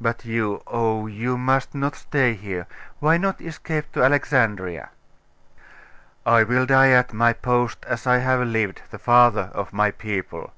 But you oh, you must not stay here. Why not escape to Alexandria?' 'I will die at my post as I have lived, the father of my people.